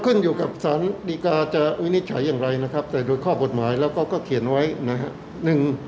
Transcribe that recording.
ขึ้นอยู่กับสารดีกาจะวินิจฉัยอย่างไรนะครับแต่โดยข้อกฎหมายแล้วก็เขียนไว้นะครับ